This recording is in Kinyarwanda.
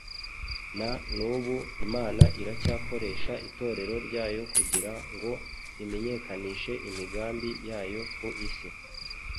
Na n’ubu Imana iracyakoresha Itorero ryayo kugira ngo imenyekanishe imigambi yayo ku isi.